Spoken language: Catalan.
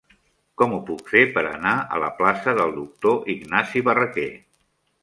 Com ho puc fer per anar a la plaça del Doctor Ignasi Barraquer?